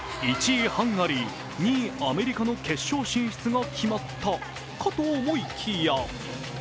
１位ハンガリー、２位アメリカの決勝進出がきまったかと思いきや